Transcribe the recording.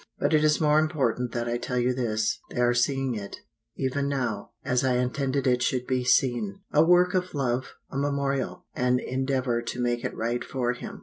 "But it is more important that I tell you this: They are seeing it, even now, as I intended it should be seen a work of love, a memorial, an endeavour to make it right for him.